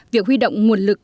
việc huy động nguồn lực